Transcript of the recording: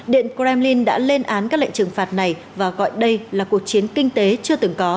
điện kremlin đã lên án các lệnh trừng phạt này và gọi đây là cuộc chiến kinh tế chưa từng có